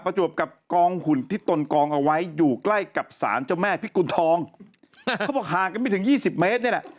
จวบกับกองหุ่นที่ตนกองเอาไว้อยู่ใกล้กับสารเจ้าแม่พิกุณฑองเขาบอกห่างกันไม่ถึงยี่สิบเมตรนี่แหละ